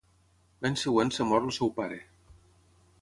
L'any següent es mor el seu pare.